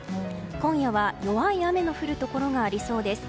今夜は弱い雨の降るところがありそうです。